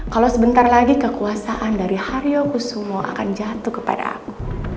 kalau sebentar lagi kekuasaan dari haryo kusumo akan jatuh kepada aku